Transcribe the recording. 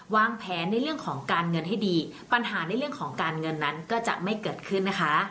วางแผนในเรื่องของการเงินให้ดีปัญหาในเรื่องของการเงินนั้นก็จะไม่เกิดขึ้นนะคะ